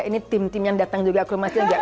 ini tim tim yang datang juga aku nama aja